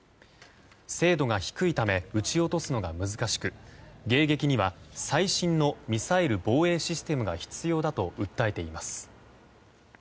精度が低いため撃ち落とすのが難しく迎撃には最新のミサイル防衛システムが必要だと訴えています。